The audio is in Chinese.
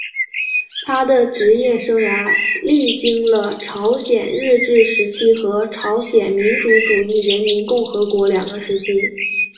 他的职业生涯历经了朝鲜日治时期和朝鲜民主主义人民共和国两个时期。